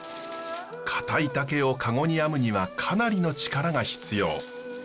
固い竹を籠に編むにはかなりの力が必要。